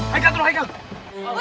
haikal dulu haikal